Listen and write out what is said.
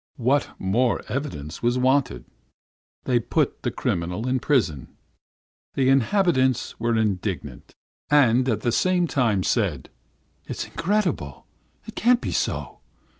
What more evidence was wanted? They put the criminal in prison. The inhabitants were indignant, and at the same time said: "'It's incredible! It can't be so!